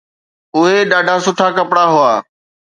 اهي ڏاڍا سٺا ڪپڙا هئا.